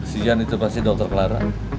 si jan itu pasti dokter clara